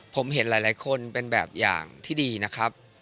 ผมเห็นหลายคนเป็นแบบอย่างที่ดีนะครับ